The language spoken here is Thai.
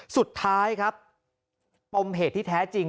สุดท้ายครับปมเหตุที่แท้จริง